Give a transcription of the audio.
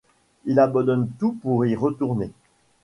Il abandonne tout pour y retourner.